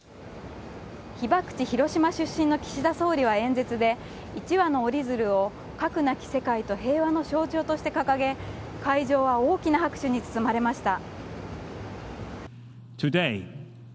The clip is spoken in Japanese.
被爆地、広島出身の岸田総理は演説で、一羽の折り鶴を核なき世界と平和の象徴として掲げ、会場は大きな拍手に包まれました。